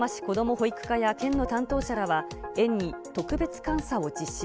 保育課や県の担当者らは園に特別監査を実施。